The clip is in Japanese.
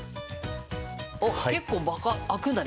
あっ結構バカッ開くんだね。